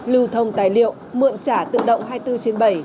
lưu thông tài liệu mượn trả tự động hai mươi bốn trên bảy